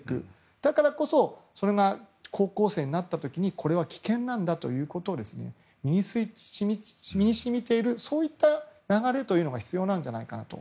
だからこそ高校生になった時にこれは危険なんだということが身に染みているそういった流れが必要なんじゃないかなと。